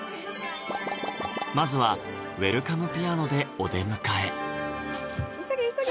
まずはウェルカムピアノでお出迎え急げ急げ！